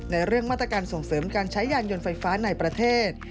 เรื่องมาตรการส่งเสริมการใช้ยานยนต์ไฟฟ้าในประเทศ